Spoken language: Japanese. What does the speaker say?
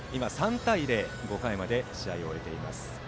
今、３対０で５回まで試合を終えています。